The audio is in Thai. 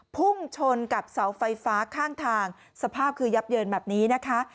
พุ่งชนกับเสาไฟฟ้าข้างทางสภาพคือยับเยินแบบนี้นะคะ